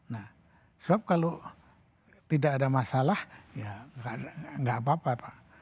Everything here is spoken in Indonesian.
nah soal kalau tidak ada masalah ya gak apa apa